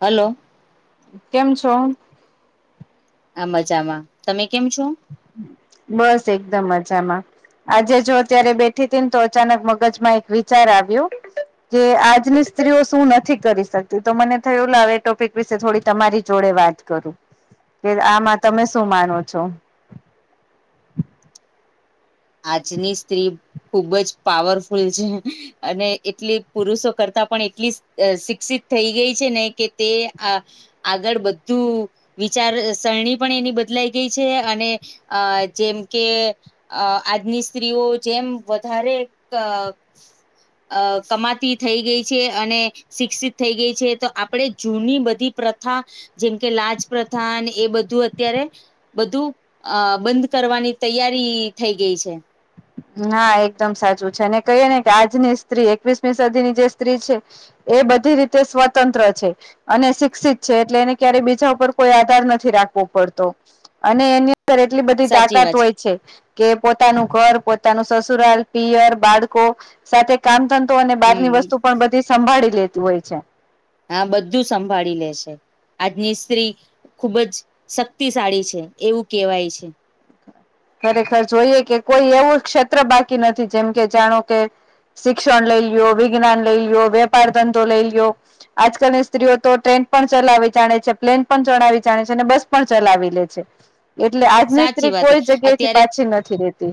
Hello. કેમ છો? આ મજામાં. તમે કેમ છો? બસ, એકદમ મજામાં. આજે જો અત્યારે બેઠી હતી ને, તો અચાનક મગજમાં એક વિચાર આવ્યું. કે આજની સ્ત્રીઓ શું નથી કરી શકતી? તો મને થયું લ ટોપિક વિશે થોડી તમારી જોડે વાત. હું કે, આમાં તમે શું માનો છો? આજની સ્ત્રી ખુબ જ પાવરફુલ છે. અને એટલી પુરુષો કરતા પણ એટલી શિક્ષિત થઈ ગઈ છે ને કે તે આ આગળ બધું વિચારસરણી પણ એની બદલાઈ ગઈ છે અને અ, જેમ કે, અ આજની સ્ત્રીઓ જેમ વધારે અ કમાતી થઈ ગઈ છે, અને શિક્ષિત થઈ ગઈ છે, તો આપણે જૂની બધી પ્રથા જેમકે લાજ પ્રથાન એ બધું અત્યારે બધું અ બંધ કરવાની તૈયારી થઈ ગઈ છે. ના એકદમ સાચું છે. અને કહીએ ને કે આજની સ્ત્રી, એકવીસમી સદીની જે સ્ત્રી છે. એ બધી રીતે સ્વતંત્ર છે. અને શિક્ષિત છે એટલે એને ક્યારેય બીજા ઉપર કોઈ આધાર નથી રાખવો પડતો અને એની એટલી બધી સાચી તાકાત વાત હોય છે કે પોતાનું ઘર પો પોતા ના સસુરાલ, પિયર, બાળકો સાથે કામ તો અને બહારની હમ વસ્તુ પણ સંભાળી લેતી હોય છે. હા, બધું સંભાળી લે છે આજની સ્ત્રી. ખુબ જ શક્તિશાળી છે એવું કહેવાય છે. ખરેખર જોઈએ કે કોઈ એવું ક્ષેત્ર બાકી નથી, જેમ કે જાણો કે શિક્ષણ લઈ લ્યો, વિજ્ઞાન લઈ લ્યો, વેપાર ધંધો લઈ લ્યો. આજકાલની સ્ત્રીઓ તો ટ્રેન પણ ચલાવી જાણે છે, પ્લેન પણ ચલાાવવી જાણે છે અને બસ પણ ચલાવી લે છે. એટલે આજની સાચી સ્ત્રી વાત કોઈ જગ્યા થી અત્યારે પાછી નથી રેતી.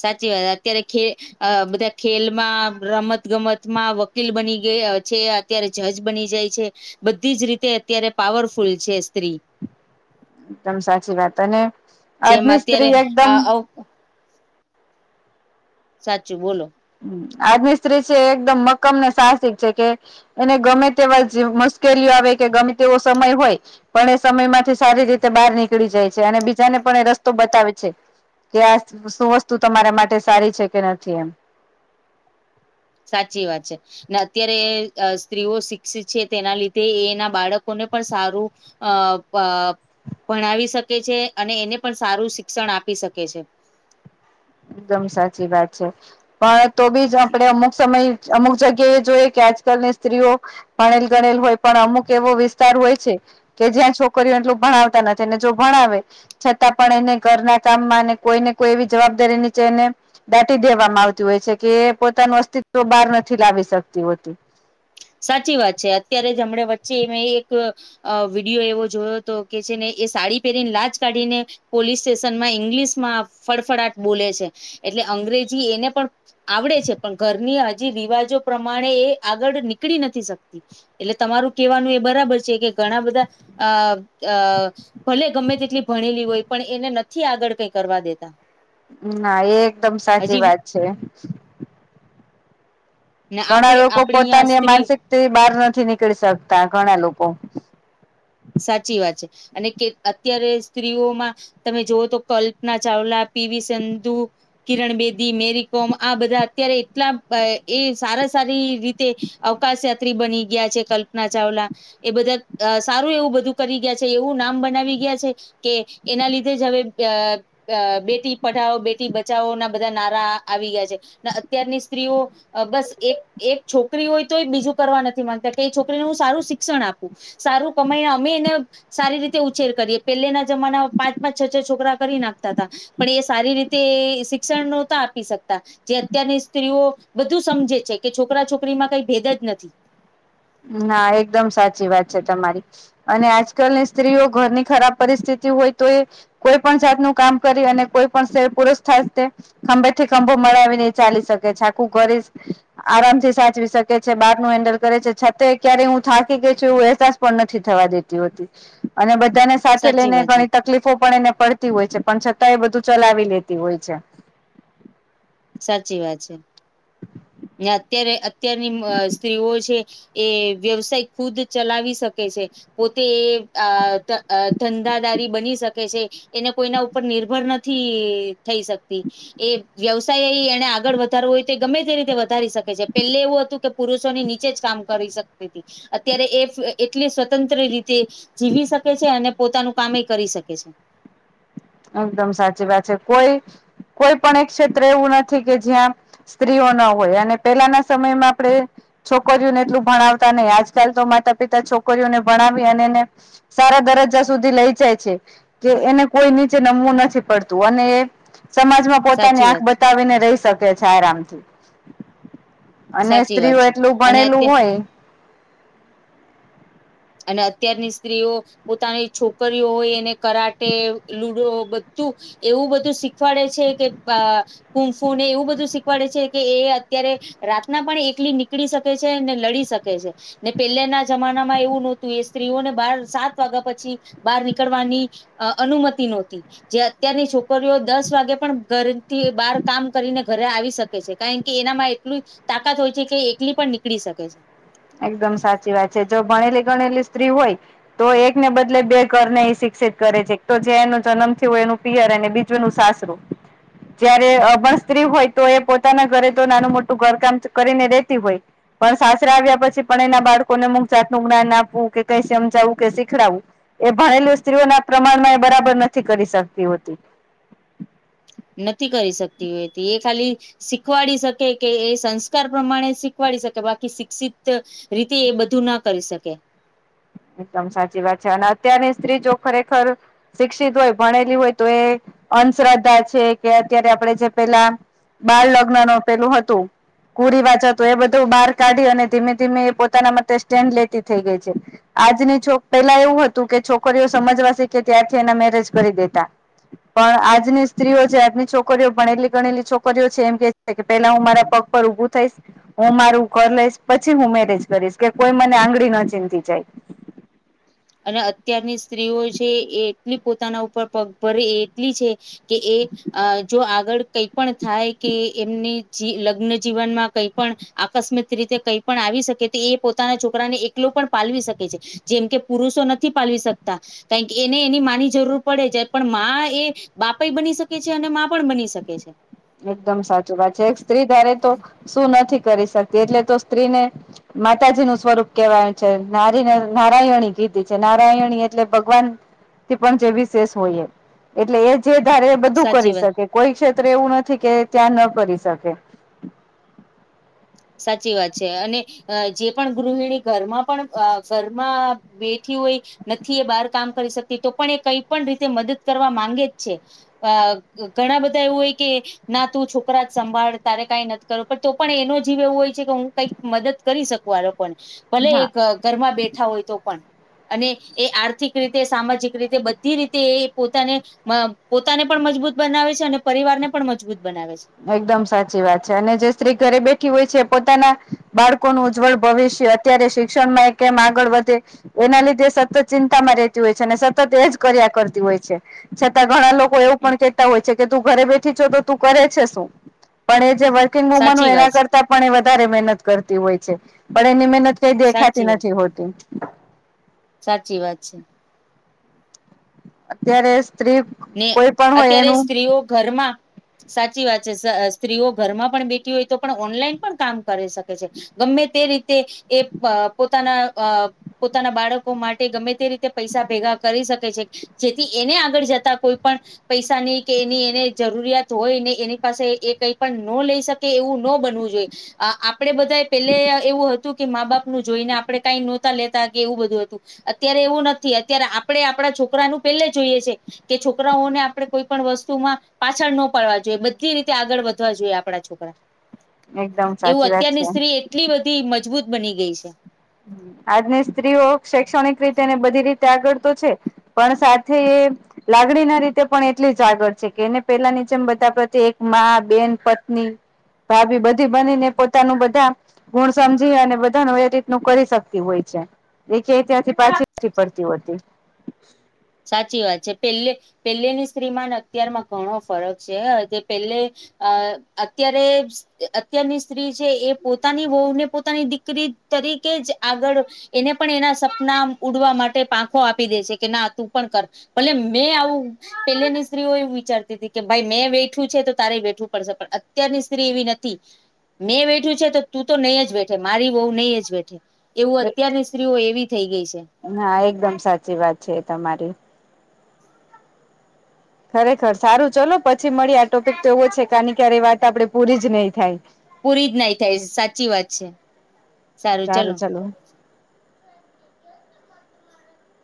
સાચી વાત. અત્યારે ખે અ બધા ખેલમાં રમત-ગમત માં વકીલ બની ગયા છે. અત્યારે જજ બની જાય છે. બધી જ રીતે અત્યારે પાવરફુલ છે સ્ત્રી. એકદમ સાચી વાત. અને જેમ આજની અત્યારે સ્ત્રી અ એકદમ અવ સાચું બોલો. આજની સ્ત્રી છે, એકદમ મક્કમ ને સાહસિક છે કે એને ગમે તેવા જે મુશ્કેલીઓ આવે કે ગમે તેવો સમય હોય. પણ એ સમયમાંથી સારી રીતે બહાર નીકળી જાય છે અને બીજાને પણ એ રસ્તો બતાવે છે. કે આ શું વસ્તુ તમારા માટે સારી છે કે નથી, એમ. સાચી વાત છે. ને અત્યારે સ્ત્રીઓ શિક્ષિત છે તેના લીધે એના બાળકોને પણ સારું અ અ ભણાવી શકે છે અને એને પણ સારું શિક્ષણ આપી શકે છે. એકદમ સાચી વાત છે. પણ તો બીજ આપડે અમુક સમય અમુક જગ્યા એ જોઈએ કે, આજકાલ ની સ્ત્રીઓ પાણેલ ગણેલ હોય, પણ અમુક એવો વિસ્તાર હોય છે. કે જ્યાં છોકરીઓ એટલું ભણાવતા નથી ને, જો ભણાવે છતાં પણ એને ઘરના કામમાં કોઈ ને કોઈ એવી જવાબદારી નીચે જેને દાટી દેવામાં આવતી હોય છે કે પોતાનું અસ્તિત્વ બહાર નથી લાવી શકતી હોતી. સાચી વાત છે અત્યારે જ હમણા વચ્ચે એક. અ વિડીયો એવો જોયો હતો કે છે ને એ સાડી પહેરીને લાચ કાઢીને. પોલીસ સ્ટેશનમાં ઇંગ્લિશમાં ફફડાાટ બોલે છે એટલે અંગ્રેજી એને પણ આવડે છે પણ ઘરની હજી રિવાજો પ્રમાણે એ આગળ નીકળી નથી શકતી. એટલે તમારું કેહેવાનું એ બરાબર છે કે ઘણા બધા અ અ ભલે ગમે તેટલી ભણેલી હોય પણ એને નથી આગળ કઈ કરવા દેતા. ના એ એકદમ સાચી હજી વાત છે. ને ઘણા આપણે લોકો આપણી અહં પોતાની સ્ત્રી માનસિકતા બહાર નથી નીકળી શકતા ઘણા લોકો. સાચી વાત છે અને કે અત્યારે સ્ત્રીઓમાં તમે જોવઓ તો કલ્પના ચાવલા પીવી સંંધુ. કિરણ બેદી મેરી કોમ આ બધા અત્યારે એટલા એ સારા સારી રીતે. અવકાશ યાત્રી બની ગયા છે કલ્પના ચાવલા એ બધા અ સારું એવું બધું કરી ગયા છે એવું નામ બનાવી ગયા છે કે એના લીધે જ હવે બ અ બેટી પઢાવો બેટી બચાવો ના બધા નારા આવી ગયા છે અને અત્યારની સ્ત્રીઓ અ બસ એક એક છોકરી હોય તો એ બીજું કરવા નથી ગતા કે છોકરીને હું સારું શિક્ષણ આપું સારું કમે અમે એને સારી રીતે ઉછેર કરીએ પહેલાના જમાનામાં પાંચ પાંચ છ છ છોકરા કરી નાખતા હતા. પણ એ સારી રીતે શિક્ષણ નહોતા આપી શકતા. જે અત્યારની સ્ત્રીઓ બધું સમજે છે કે છોકરા છોકરીમાં કઈ ભેદ જ નથી. ના એકદમ સાચી વાત છે તમારી. અને આજકાલની સ્ત્રીઓ ઘરની ખરાબ પરિસ્થિતિ હોય તો એ કોઈ પણ જાત નું કામ કરી અને કોઈ પણ શર પુરુષ થ ખંભે થી ખંભો મળાવીને એ ચાલી શકે છાકું કરી આરામથી સાચવી શકે છે બાર નું હેન્ડલ કરે છે. છ ક્યારેય હું થાકી ગઈ છું એવ અહેસાસ પણ નથી થવા દેતી હોતી અને બધાને સાથે સાચી લઈને વાત છે ઘણી તકલીફો પણ એને પડતી હોય છે પણ છતાં એ બધું ચલાવી લેતી હોય છે. સાચી વાત છે. ને અત્યારે અત્યારની સ્ત્રીઓ છે. એ વ્યવસાય ખુદ ચલાવી શકે છે. પોતે એ આ ધંધાદારી બની શકે છે. એને કોઈના ઉપર નિર્ભર નથી થઈ શકતી. એ વ્યવસાય એને આગળ વધારવો હોય તે ગમે તે રીતે વધ ધારી શકે છે પેલે એવું હતું કે પુરુષોની નીચે જ કામ કરી શકતી હતી. અત્યારે એ એટલી સ્વતંત્ર રીત તે જીવી શકે છે અને પોતાનું કમે કરી શકે છે. એકદમ સાચી વાત છે કોઈ કોઈ પણ એક ક્ષેત્ર એવું નથી કે જ્યાં. સ્ત્રીઓ ના હોય અને પેલાના સમયમાં આપણે. છોકરીઓને એટલું ભણાવતા નહ આજકાલ તો માતા પિતા છોકરીઓને ભણાવી અને એને. સારા દરજ્જા સુધી લઈ જાય છે કે એને કોઈની નમવું નથી પડતું અને એ સમાજમાં પોતાની સાચી આંખ વાત છે બતાવીને રહી શકે કે છે, આરામથી અને સાચી વાત સ્ત્રીઓ છે એટલું અને અત્ય ભણેલું હોય અને અત્યારની સ્ત્રીઓ પોતાની છોકરીઓ હોય એને કરાટે લુડો બધું એવું બધું શીખવાડે છે કે કૂફૂને એવું બધું શીખવાડે છે કે એ અત્યારે રાતના પણ એકલી નીકળી શકે છે ને લડી શકે છે ને પહેલાના જમાનામાં એવું નોતી એ સ્ત્રીઓને બાર સાત વાગ્યા પછી બહાર નીકળવાની અનુમતિ નહોતી જે અત્યારની છોકરીઓ દસ વાગે પણ ઘરથી બહાર કામ કરીને ઘરે આવી શ કે છે, કારણ કે એનામાં એટલું તાકાત હોય છે, કે એકલી પણ નીકળી શકે છે. એકદમ સાચી વાત છે, જો ભણેલી ગણેલી સ્ત્રી હોય તો એકને બદલે બે ઘર એ શિક્ષિત કરે છે, તો જે એનો જન્મથી હોય એનું પિયર અને બીજું નું સાસરું જયારે અભણ સ્ત્રી હોય તો એ પોતાના ઘરે તો નાનું મોટું ઘરકામ કરીને રેતી હોય પણ સાસરા આવ્યા પછી પણ એના બાળકોને અમૂક જાત નું જ્ઞાન આપવું કે કઈ સમજાવું કે શીખડાવું એ ભણેલું સ્ત્રીઓના પ્રમાણમાં બરાબર નથી કરી શકતી હોતી નથી કરી શકતી હોય તે ખાલી શીખવાડી શકે કે એ સંસ્કાર પ્રમાણે શીખવાડી શકે બાકી શિક્ષિત રીતે એ બધું ન કરી શકે એકદમ સાચી વાત છે, અને અત્યારની સ્ત્રી જો ખરેખર શિક્ષિત હોય ભણેલી હોય તો એ અંધશ્રદ્ધા છે, કે અત્યારે આપડે જે પેલા બાળલગ્ન ન પેલું હતું કુરી વાચતો એ બધું બહાર કાઢી અને ધીમે ધીમે પોતાના મતે સ્ટેન્ડ લેતી થઇ ગઈ છે. આજની છો પેલા એવું હતું કે છોકરીઓ સમજવા શી કેે ત્યારથી એના મેરેજ કરી દેતા પણ આજની સ્ત્રીઓ છે, આજની છોકરીઓ ભણેલી ગણેલી છોકરીઓ છે, એમ કે કે પેલા હું મારા પગ પર ઊભું થઈશ હું મારું ઘર લઈશ પછી હું મેરેજ કરીશ કે કોઈ મને આંગળી ન ચિતી જાય અને અત્યારની સ્ત્રીઓ છે, એ એટલી પોતાના ઉપર પગ ભરે એટલી છે. કે એ અ જો આગળ કઈ પણ થાય કે એમની જી લગ્ન જીવનમાં કઈ પણ આકસ્મિક રીતે કંઈ પણ આવી શકે તો એ પોતાના છોકરાને એ એકલો પણ પાલવી શકે છે, જેમ કે પુરુષો નથી પાલવી શકતા કારણ કે એને એની માની જરૂર પડે છે, પણ માં એ બાપાઈ બની શકે છે, અને માં પણ બની શકે છે. એકદમ સાચું વાત છે, એક સ્ત્રી ધારે તો શું નથી કરી શકતી એટલે તો સ્ત્રીને માતાજી નું સ્વરૂપ કેહેવાય છે, નારી નારાયણી કીધી છે, નારાયણી એટલે ભગવાન થી પણ જે વીસેસ હોય એ એટલે એ જે ધારે એ બધું સાચી કરી વાત શકે કોઈ ક્ષેત્ર એવું નથી કે ત્યાં ન કરી શકે સાચી વાત છે, અને અ જે પણ ગૃહિણી ઘરમાં પણ અ ઘરમાં બેઠી હોય નથી એ બહાર કામ કરી શકતી તો પણ એ કઈ પણ રીતે મદદ કરવા માંગે જ છે. આ ઘણા બધા એવું હોય કે ના તું છોકરા જ સંભાળ તારે કાઈ નથી કરો પણ તો પણ એનો જ જીવ એવું હોય છે, કે હું કઈક મદદ કરી શકું આ લોકોને ભલે હા એક ઘરમાં બેઠા હોય તો પણ અને એ આર્થિક રીતે સામાજિક રીતે બધી રીતે એ પોતાને મા પોતાને પણ મજબૂત બનાવે છે, અને પરિવાર ને પણ મજબૂત બનાવે છે. એકદમ સાચી વાત છે, અને જે સ્ત્રી ઘરે બેઠી હોય છે પોતાના બાળકોનું ઉજ્જવળ ભવિષ્ય અત્યારે શિક્ષણમાં એ કેમ આગળ વધે એના લીધે સતત ચિંતામાં રહેતી હોય છે, અને સતત એ જ કર્યા કરતી હોય છે, છતાં ઘણા લો કો એવું છે પણ કેતા હોય છે, કે તું ઘરે બેઠી છો તો તું કરે છે, શું પણ એ જે વુ સાચી એના વાત છે કરતા પણ વધારે મનત કરતી હોય છે પણ એની મ કઈ દેખાતી સાચી વાત નથી હોતી સાચી વાત છે અત્યારે સ્ત્રી ને કોઈ પણ હોય અત્યારે એનું સ્ત્રીઓ ઘરમાં સાચી વાત છે, સ સત્રીઓ ઘરમાં પણ બેઠી હોય તો પણ ઓનલાઈન પણ કામ કરી શકે છે. ગમે તે રીતે એ અ પોતાના અ પોતાના બાળકો માટે ગમે તે રીતે પૈસા ભેગા કરી શકે છે, જેથી એને આગળ જતા કોઈ પણ પૈસાની કે એની એને જરૂરિયાત હોય ને એની પાસે એ કઈ પણ ન લઈ શ કે એવું ન બનવું જોઈએ આ આપડે બધા પેલે એવું તુ કે મા બાપનું જોઈને આપણે કાઈ નહોતા લેતા કે એવું બધું હતું અત્યારે એવું નથી અત્યારે આપણેે આપણા છોકરાનુંું પેલે જોઈએ છે કે છોકરાઓને આપડે કોઈ પણણ વસ્તુમાં પાછળ ન પાડવા જોઈએ બધી રીતે આગળ વધવા જોઈએ આપડા છોકરા એકદમ એવું સાચી વાત છે અત્યારની સ્ત્રી એટલી બધી મજબૂત બની ગઈ છે આજની સ્ત્રીઓ શૈક્ષણિક રીતેને બધી રીતે આગળ તો છે પણ સાથે એ લાગણી ના રીતે પણ એટલી જ આગળ છે કે એને પેલા ની જેમ બધા પ્રત્યે એક બેન પત્ની ભાભી બધી બનીને પોતાનું બધા ગુણ સમજી અને બધા ન વ નું કરી શકતી હોય છે જે કે ત્યાંથી પાછી પડતી હોતી સાચી વાત છે પેલે પેલેની સ્ત્રીમાં અત્યારમાં ઘણો ફરક છે જે પેલે અ અત્યારે અત્યારની સ્ત્રી છે એ પોતાની વહુ ને પોતાની દીકરી તરીકે જ આગળ એને પણ એના સપના ઉડવા માટે પાંખો આપી દે છે કે ના તું પણ કર ભલે મેં આવું પેલેની સ્ત્રીઓ એવું વિચારતી હતી કે ભાઈ મેં વ બેઠું છે તો તારે બેઠવું પડશે પણ અત્યારની સ્ત્રી એવી નથી મેં બેઠ્યું છે તો તું તો નહી જ બેઠે મારી બહ નહીં જ બેઠે એવું અત્યારની સ્ત્રીઓ એવી થઈ ગઈ છે હા એકદમ સાચી વાત છે તમારી ખરેખર સારું ચલો પછી મળી આ ટોપિક તો એવો છે કે આની ક્યારે એ વાત આપડે પૂરી જ નહી થાય પૂરી જ નાહી થાય સાચી વાત છે સારું ચાલો